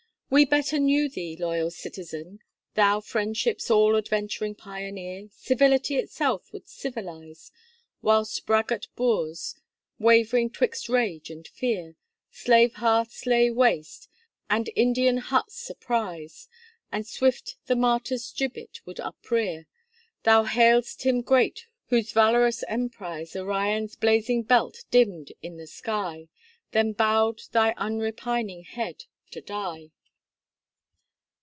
We better knew thee, loyal citizen! Thou, friendship's all adventuring pioneer, Civility itself wouldst civilize: Whilst braggart boors, wavering 'twixt rage and fear, Slave hearths lay waste, and Indian huts surprise, And swift the Martyr's gibbet would uprear: Thou hail'dst him great whose valorous emprise Orion's blazing belt dimmed in the sky, Then bowed thy unrepining head to die.